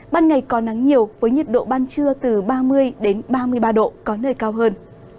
ban ngày có nắng nhiều với nhiệt độ ban trưa từ ba mươi ba mươi ba độ có nơi cao hơn